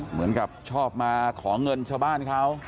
เหมือนกับชอบมาขอเงินชาวบ้านเขา